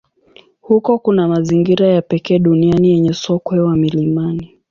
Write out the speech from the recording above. Huko kuna mazingira ya pekee duniani yenye sokwe wa milimani.